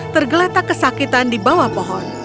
tergeletak kesakitan di bawah pohon